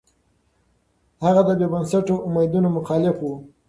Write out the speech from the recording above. هغه د بې بنسټه اميدونو مخالف و.